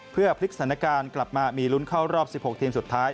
เพื่อพลิกสถานการณ์กลับมามีลุ้นเข้ารอบ๑๖ทีมสุดท้าย